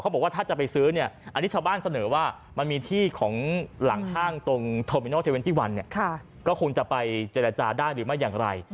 เขาบอกว่าถ้าจะไปซื้ออันนี้ชาวบ้านเสนอว่ามันมีที่ของหลังท่างตรงทอมินอล๒๑ก็คงจะไปเจรจาได้หรือไม่อย่างไร